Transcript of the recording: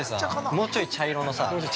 ◆もうちょい茶色？